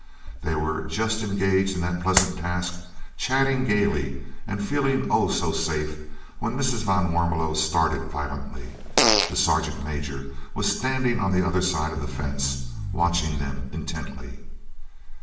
They were just engaged in the pleasant task, chatting gaily and feeling, oh, so safe, when Mrs. van Warmelo started violently. The sergeant major was standing on the other side of the fence, watching them intently.